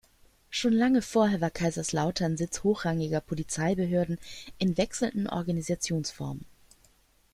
Schon lange vorher war Kaiserslautern Sitz hochrangiger Polizeibehörden in wechselnden Organisationsformen.